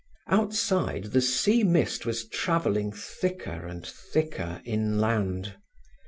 Outside, the sea mist was travelling thicker and thicker inland.